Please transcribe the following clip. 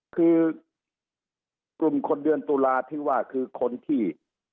คือกลุ่มคนเดือนตุลาที่ว่าคือคนที่